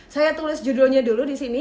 saya tulis judulnya dulu disini